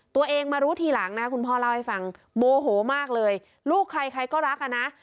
ตัวเองมารู้ทีหลังนะคุณพ่อเล่าให้ฟังโมโหมากเลยลูกใครใครก็รักอ่ะนะ